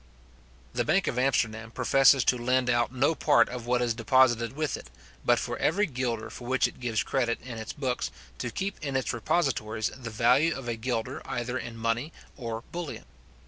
The bank of Amsterdam professes to lend out no part of what is deposited with it, but for every guilder for which it gives credit in its books, to keep in its repositories the value of a guilder either in money or bullion.